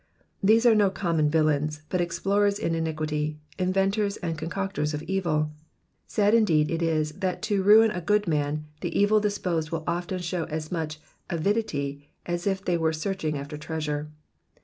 These are no common villains, but explorers in iniquity, inventors and concoctors of evil. Sad indeed it is that to ruin a good man the evil disposed will often show as much avidity as if they were searching after treasure.